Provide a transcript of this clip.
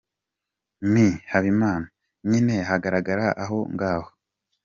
Me Habimana: “Nyine hagarara aho ngaho”